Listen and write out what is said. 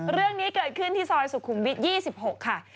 เรื่องนี้เกิดขึ้นที่ซอยสุขุมวิท๒๖ค่ะ